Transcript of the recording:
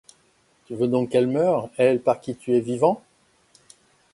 Tu veux donc qu'elle meure, elle par qui tu es vivant?